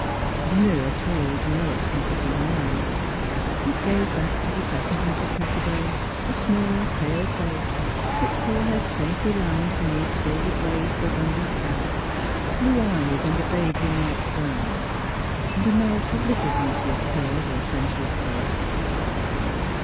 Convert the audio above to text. The mirror told no com forting lies. It gave back to the second Mrs. Pet tibone a small, pale face, its forehead faintly lined beneath silvered waves of abundant hair, blue 228 THE HEABT OF PHILUEA eyes under vaguely marked brows, and a mouth with Uttle beauty of curve or sensuous color.